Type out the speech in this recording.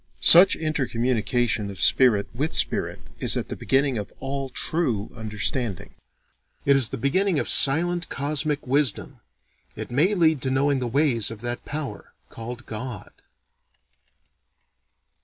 Such intercommunication of spirit with spirit is at the beginning of all true understanding. It is the beginning of silent cosmic wisdom: it may lead to knowing the ways of that power called God.